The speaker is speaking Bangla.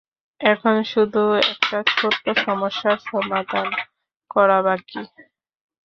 এখন শুধু একটা ছোট্ট সমস্যার সমাধান করা বাকি।